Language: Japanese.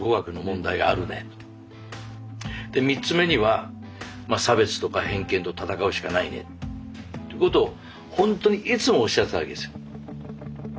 で３つ目には差別とか偏見と闘うしかないねってことをほんとにいつもおっしゃってたわけですよ。